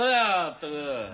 ったく。